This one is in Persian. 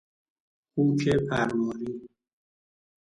خوک پرواری